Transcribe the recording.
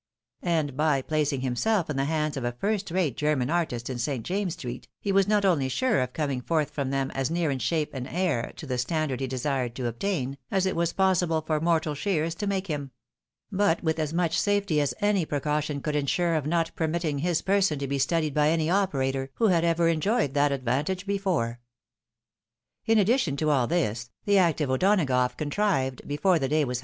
And, by placing himself in the hands of a first rate German artist in St. James's street, he was not only sure of coming forth from them as near in shape and air to the standard he desired to obtain, as it was possible for mortal shears to make him ; but with as much safety as any precaution could insure of not permitting his person to be studied by any operator, who had ever enjoyed that advan tage before. In addition to all this, the active O'Donagough contrived, before the day was.